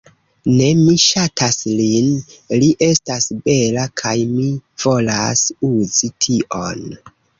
Ne! Mi ŝatas lin, li estas bela kaj mi volas uzi tion.